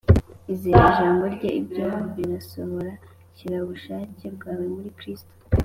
Izere ijambo Rye, ibyo birasohora. Shyira ubushake bwawe muri Kristo